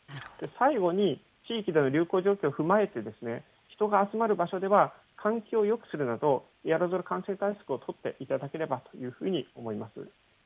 最後に地域での流行状況を踏まえてですね、人が集まる場所では換気をよくするなど、エアロゾル感染対策を取っていただければというふうに思います。